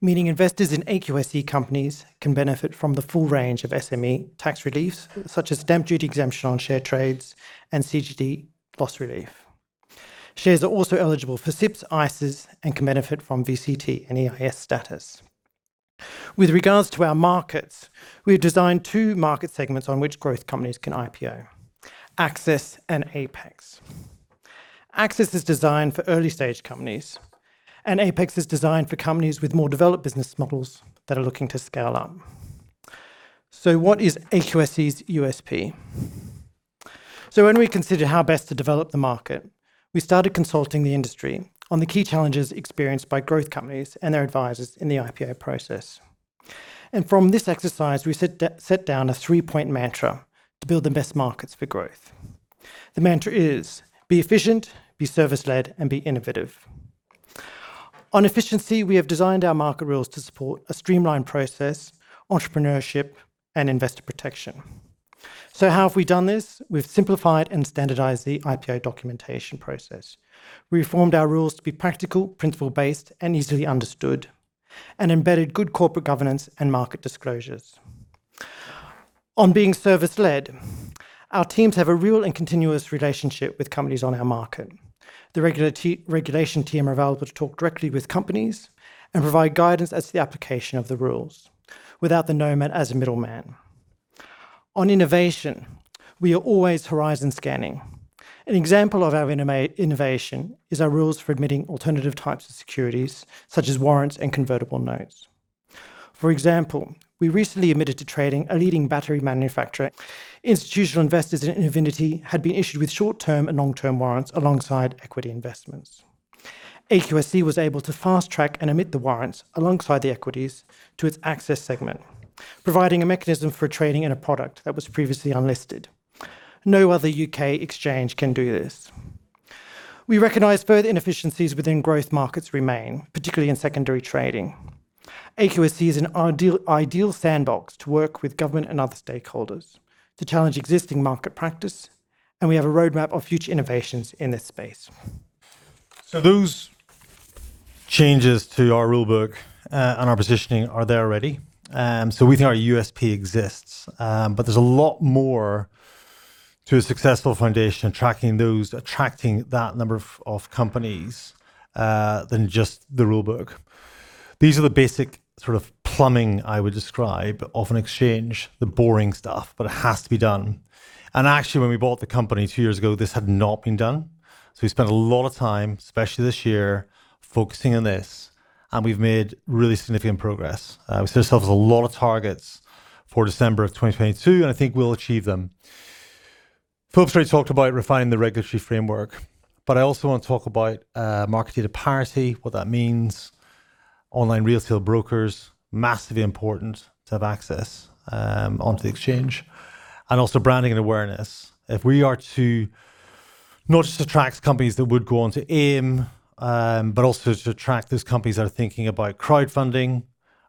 meaning investors in Aquis companies can benefit from the full range of SME tax reliefs such as stamp duty exemption on share trades and CGT loss relief. Shares are also eligible for SIPPs, ISAs, and can benefit from VCT and EIS status. With regards to our markets, we have designed two market segments on which growth companies can IPO, Access and Apex. Access is designed for early-stage companies, and Apex is designed for companies with more developed business models that are looking to scale up. What is AQSE's USP? When we consider how best to develop the market, we started consulting the industry on the key challenges experienced by growth companies and their advisors in the IPO process. From this exercise, we set down a three-point mantra to build the best markets for growth. The mantra is be efficient, be service-led, and be innovative. On efficiency, we have designed our market rules to support a streamlined process, entrepreneurship, and investor protection. How have we done this? We've simplified and standardized the IPO documentation process. We reformed our rules to be practical, principle-based, and easily understood, and embedded good corporate governance and market disclosures. On being service-led, our teams have a real and continuous relationship with companies on our market. The regulation team are available to talk directly with companies and provide guidance as to the application of the rules without the Nomad as a middleman. On innovation, we are always horizon scanning. An example of our innovation is our rules for admitting alternative types of securities, such as warrants and convertible notes. For example, we recently admitted to trading a leading battery manufacturer. Institutional investors in Ilika had been issued with short-term and long-term warrants alongside equity investments. Aquis was able to fast-track and admit the warrants alongside the equities to its Access segment, providing a mechanism for trading in a product that was previously unlisted. No other UK exchange can do this. We recognize further inefficiencies within growth markets remain, particularly in secondary trading. AQSE is an ideal sandbox to work with government and other stakeholders to challenge existing market practice, and we have a roadmap of future innovations in this space. Those changes to our rule book, and our positioning are there already. We think our USP exists. But there's a lot more to a successful foundation attracting that number of companies than just the rule book. These are the basic sort of plumbing I would describe of an exchange, the boring stuff, but it has to be done. Actually, when we bought the company two years ago, this had not been done. We spent a lot of time, especially this year, focusing on this, and we've made really significant progress. We set ourselves a lot of targets for December of 2022, and I think we'll achieve them. Philip's already talked about refining the regulatory framework, but I also want to talk about market data parity, what that means. Online retail brokers, massively important to have access, onto the exchange, and also branding and awareness. If we are to not just attract companies that would go on to AIM, but also to attract those companies that are thinking about crowdfunding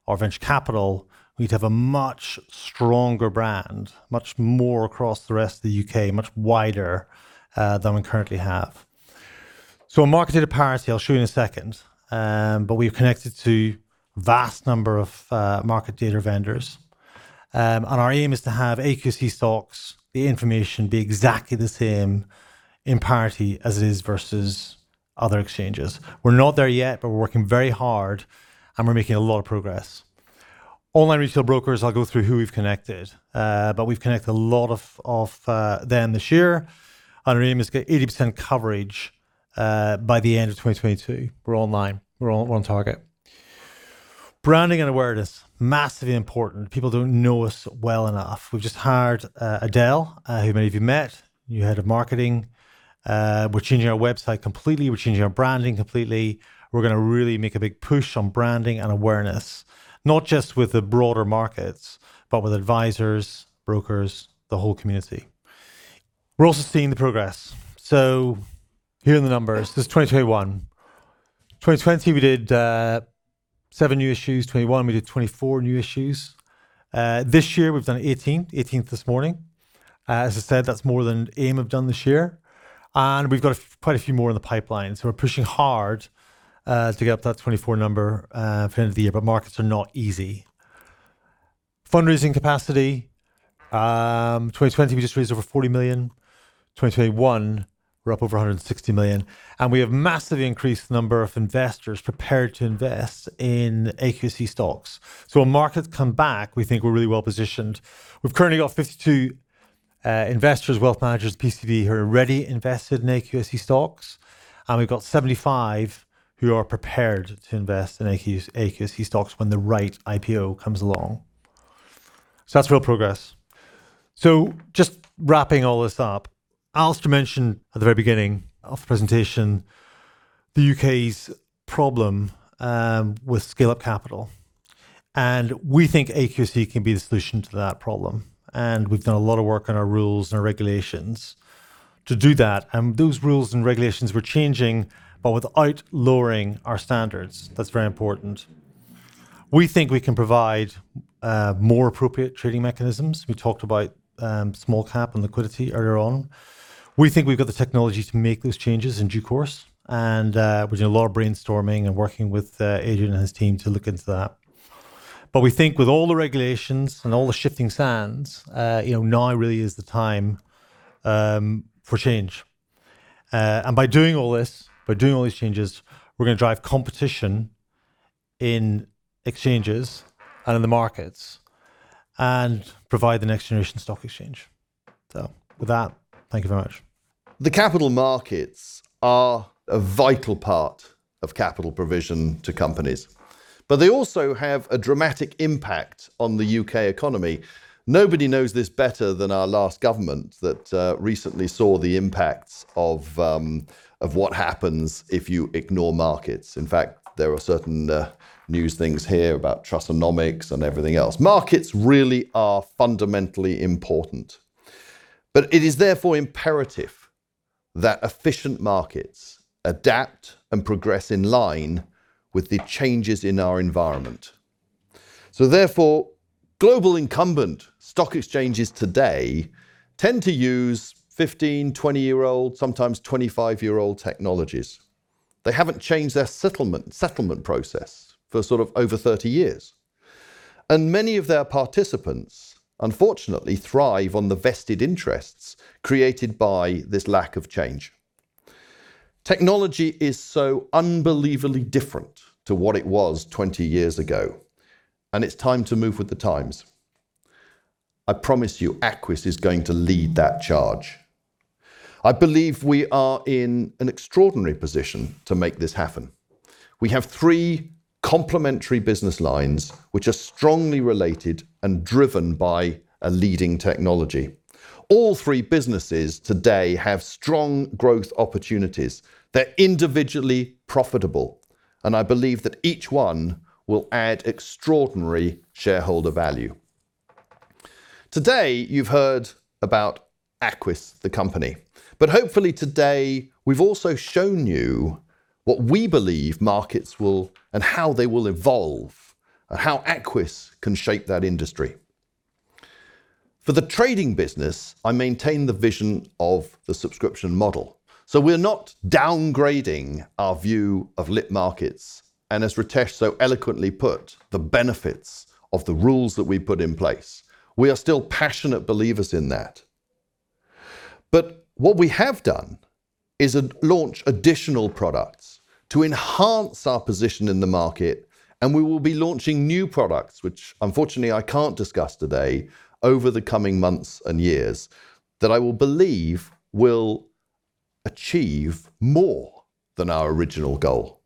or venture capital, we'd have a much stronger brand, much more across the rest of the UK, much wider, than we currently have. Market data parity, I'll show you in a second. We're connected to vast number of, market data vendors. Our aim is to have AQSE stocks, the information be exactly the same in parity as it is versus other exchanges. We're not there yet, but we're working very hard, and we're making a lot of progress. Online retail brokers, I'll go through who we've connected, but we've connected a lot of them this year. Our aim is to get 80% coverage by the end of 2022. We're online. We're all on target. Branding and awareness, massively important. People don't know us well enough. We've just hired Adela, who many of you met, new head of marketing. We're changing our website completely. We're changing our branding completely. We're gonna really make a big push on branding and awareness, not just with the broader markets, but with advisors, brokers, the whole community. We're also seeing the progress. Here are the numbers. This is 2021. 2020 we did 7 new issues. 2021 we did 24 new issues. This year we've done 18. 18th this morning. As I said, that's more than AIM have done this year. We've got quite a few more in the pipeline. We're pushing hard to get up that 24 number for the end of the year, but markets are not easy. Fundraising capacity, 2020 we just raised over 40 million. 2021 we're up over 160 million. We have massively increased the number of investors prepared to invest in AQC stocks. When markets come back, we think we're really well-positioned. We've currently got 52 investors, wealth managers, PBs who are already invested in AQC stocks, and we've got 75 who are prepared to invest in AQC stocks when the right IPO comes along. That's real progress. Just wrapping all this up, Alasdair mentioned at the very beginning of the presentation the U.K.'s problem with scale-up capital, and we think AQC can be the solution to that problem. We've done a lot of work on our rules and regulations to do that, and those rules and regulations we're changing, but without lowering our standards. That's very important. We think we can provide more appropriate trading mechanisms. We talked about small cap and liquidity earlier on. We think we've got the technology to make those changes in due course, and we're doing a lot of brainstorming and working with Adrian and his team to look into that. We think with all the regulations and all the shifting sands, you know, now really is the time for change. By doing all this, by doing all these changes, we're gonna drive competition in exchanges and in the markets and provide the next generation stock exchange. With that, thank you very much. The capital markets are a vital part of capital provision to companies, but they also have a dramatic impact on the UK economy. Nobody knows this better than our last government that recently saw the impacts of what happens if you ignore markets. In fact, there are certain new things here about Trussonomics and everything else. Markets really are fundamentally important. It is therefore imperative that efficient markets adapt and progress in line with the changes in our environment. Therefore, global incumbent stock exchanges today tend to use 15-, 20-year-old, sometimes 25-year-old technologies. They haven't changed their settlement process for sort of over 30 years. Many of their participants, unfortunately, thrive on the vested interests created by this lack of change. Technology is so unbelievably different to what it was 20 years ago, and it's time to move with the times. I promise you Aquis is going to lead that charge. I believe we are in an extraordinary position to make this happen. We have three complementary business lines which are strongly related and driven by a leading technology. All three businesses today have strong growth opportunities. They're individually profitable, and I believe that each one will add extraordinary shareholder value. Today, you've heard about Aquis the company, but hopefully today we've also shown you what we believe markets will and how they will evolve and how Aquis can shape that industry. For the trading business, I maintain the vision of the subscription model. We're not downgrading our view of lit markets, and as Ritesh so eloquently put, the benefits of the rules that we put in place. We are still passionate believers in that. What we have done is launch additional products to enhance our position in the market, and we will be launching new products, which unfortunately I can't discuss today, over the coming months and years, that I will believe will achieve more than our original goal.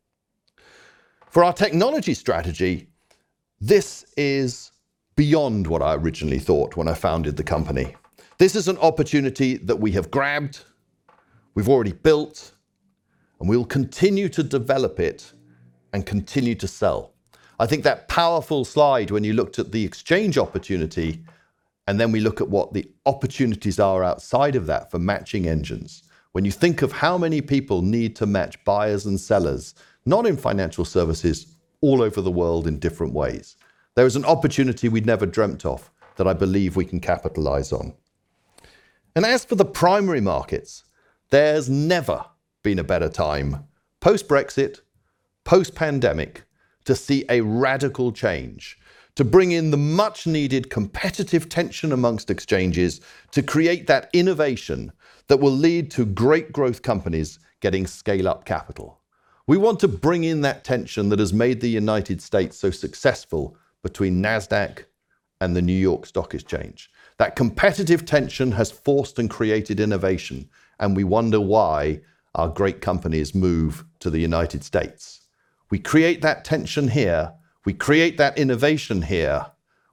For our technology strategy, this is beyond what I originally thought when I founded the company. This is an opportunity that we have grabbed, we've already built, and we will continue to develop it and continue to sell. I think that powerful slide when you looked at the exchange opportunity, and then we look at what the opportunities are outside of that for matching engines. When you think of how many people need to match buyers and sellers, not in financial services, all over the world in different ways, there is an opportunity we'd never dreamt of that I believe we can capitalize on. As for the primary markets, there's never been a better time, post-Brexit, post-pandemic, to see a radical change, to bring in the much-needed competitive tension among exchanges to create that innovation that will lead to great growth companies getting scale-up capital. We want to bring in that tension that has made the United States so successful between Nasdaq and the New York Stock Exchange. That competitive tension has forced and created innovation, and we wonder why our great companies move to the United States. We create that tension here, we create that innovation here,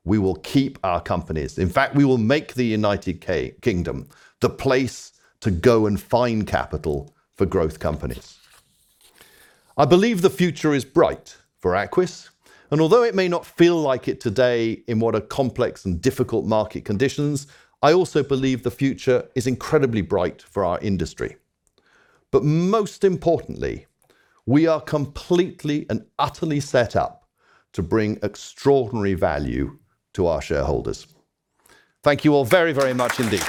we will keep our companies. In fact, we will make the United Kingdom the place to go and find capital for growth companies. I believe the future is bright for Aquis, and although it may not feel like it today in what are complex and difficult market conditions, I also believe the future is incredibly bright for our industry. Most importantly, we are completely and utterly set up to bring extraordinary value to our shareholders. Thank you all very, very much indeed.